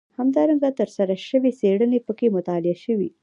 همدارنګه ترسره شوې څېړنې پکې مطالعه شوي.